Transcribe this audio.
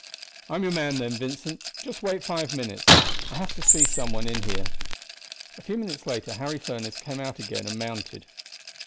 "I am your man, then, Vincent. Just wait five minutes. I have to see some one in here." A few minutes later Harry Furniss came out again and mounted.